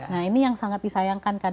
nah ini yang sangat disayangkan kan